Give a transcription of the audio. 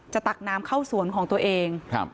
จะตักน้ำเข้าสวนของตัวเอง